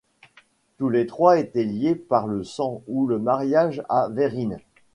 Tous les trois étaient liés par le sang ou le mariage à Vérine.